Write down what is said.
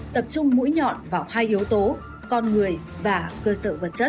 tập trung mũi nhọn vào hai yếu tố con người và cơ sở vật chất